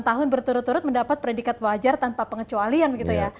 dua puluh tahun berturut turut mendapat predikat wajar tanpa pengecualian begitu ya